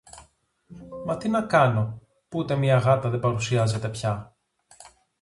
Μα τι να κάνω, που ούτε μια γάτα δεν παρουσιάζεται πια;